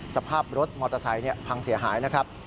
สภาพรถมอเตอร์ไซค์พังเสียหายนะครับ